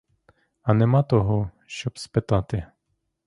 А нема того, щоб спитати?